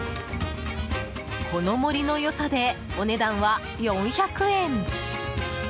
この盛りの良さでお値段は４００円。